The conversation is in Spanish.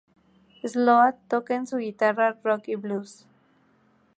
Sloat toca en su guitarra rock y blues.